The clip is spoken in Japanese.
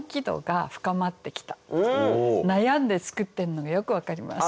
あのね悩んで作ってるのがよく分かります。